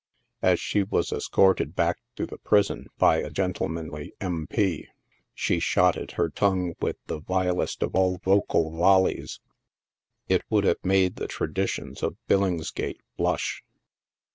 As she was escorted back to the prison by a gentlemanly M. P., she shotted her tongue with the vilest of all vocal volleys. It would have made the traditions of Billingsgate blush.